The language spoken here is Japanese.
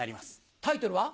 タイトルは？